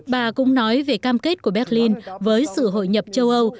bà cũng nói về cam kết của berlin với sự hội nhập châu âu